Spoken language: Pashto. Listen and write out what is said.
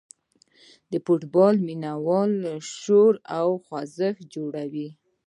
د فوټبال مینه وال شور او ځوږ جوړوي.